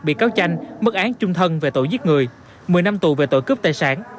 bị cáo chanh mức án trung thân về tội giết người một mươi năm tù về tội cướp tài sản